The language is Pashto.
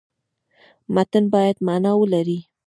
متن باید معنا ولري.